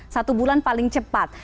satu bulan paling cepat